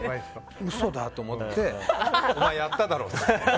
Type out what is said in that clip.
嘘だと思ってお前、やっただろ？って。